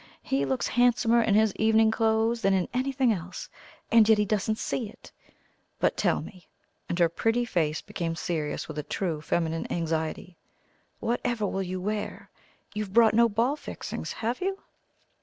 He looks handsomer in his evening clothes than in anything else, and yet he doesn't see it. But tell me," and her pretty face became serious with a true feminine anxiety, "whatever will you wear? You've brought no ball fixings, have you?"